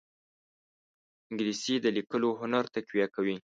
انګلیسي د لیکلو هنر تقویه کوي